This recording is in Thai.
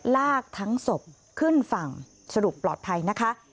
ลากทั้งศพขึ้นฝั่งสรุปปลอดภัยนะคะ